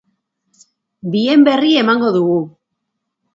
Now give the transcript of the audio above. Bien berri emango dugu.